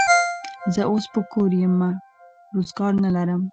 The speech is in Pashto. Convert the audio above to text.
زه اوس په کور یمه، روزګار نه لرم.